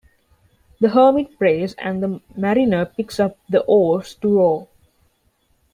The hermit prays, and the mariner picks up the oars to row.